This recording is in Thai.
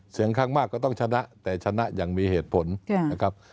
เสียงข้างมากก็ต้องชนะแต่ชนะอย่างมีเหตุผลนะครับ